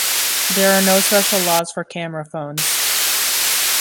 There are no special laws for camera phones.